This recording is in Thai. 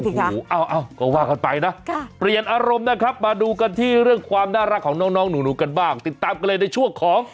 แต่ลูกหมูจริงมันก็มีความส่วนพอกับลูกหมาใช่ไหม